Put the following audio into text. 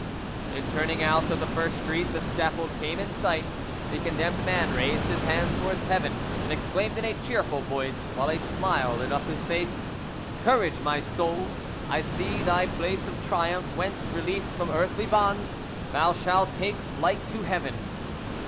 In turning out of the first street, the scaffold came in sight; the condemned man raised his hands towards heaven, and exclaimed in a cheerful voice, while a smile lit up his face, "Courage, my soul! I see thy place of triumph, whence, released from earthly bonds, thou shah take flight to heaven."